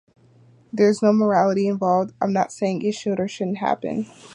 There's no morality involved, I'm not saying it should or shouldn't happen.